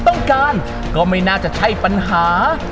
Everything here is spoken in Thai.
ต้องการก็ไม่น่าจะใช่ปัญหา